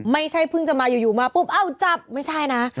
ไม่ใช่เพิ่งจะมาอยู่มาปุ๊บเอ้าจับไม่ใช่นะ